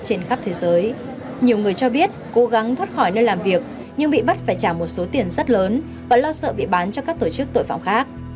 trên khắp thế giới nhiều người cho biết cố gắng thoát khỏi nơi làm việc nhưng bị bắt phải trả một số tiền rất lớn và lo sợ bị bán cho các tổ chức tội phạm khác